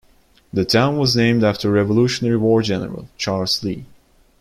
The town was named after Revolutionary War General Charles Lee.